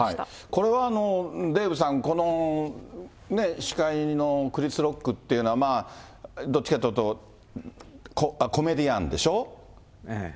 これはデーブさん、司会のクリス・ロックっていうのは、どっちかっていうとコメディアンでしょ。